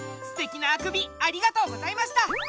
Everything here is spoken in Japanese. すてきなあくびありがとうございました！